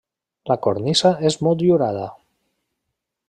La cornisa és motllurada.